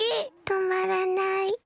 とまらない。